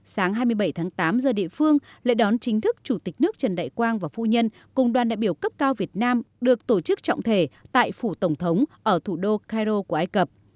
sáng hai mươi bảy tháng tám giờ địa phương lễ đón chính thức chủ tịch nước trần đại quang và phu nhân cùng đoàn đại biểu cấp cao việt nam được tổ chức trọng thể tại phủ tổng thống ở thủ đô cairo của ai cập